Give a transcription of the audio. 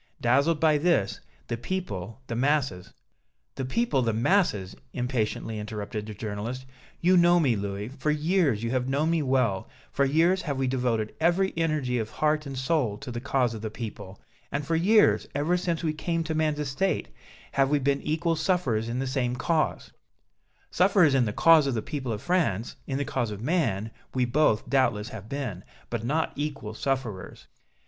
Dazzled by this, the people, the masses " "The people, the masses!" impatiently interrupted the journalist. "You know me, Louis; for years you have known me well, for years have we devoted every energy of heart and soul to the cause of the people, and for years, ever since we came to man's estate, have we been equal sufferers in the same cause " "Sufferers in the cause of the people of France, in the cause of man, we both, doubtless, have been, but not equal sufferers.